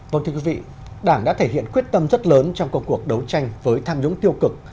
vâng thưa quý vị đảng đã thể hiện quyết tâm rất lớn trong công cuộc đấu tranh với tham nhũng tiêu cực